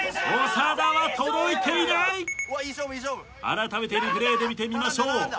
あらためてリプレイで見てみましょう。